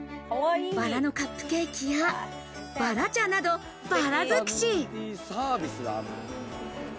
バラのカップケーキやバラ茶など、バラ尽くし。